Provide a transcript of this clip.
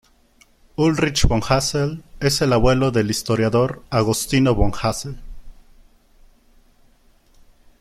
Ulrich von Hassell es el abuelo del historiador Agostino von Hassell.